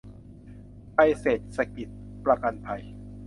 ไทยเศรษฐกิจประกันภัย